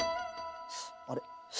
あれ？